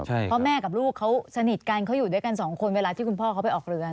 เพราะแม่กับลูกเขาสนิทกันเขาอยู่ด้วยกันสองคนเวลาที่คุณพ่อเขาไปออกเรือ